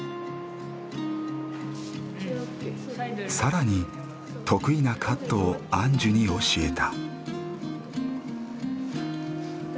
更に得意なカットをアンジュに教えた。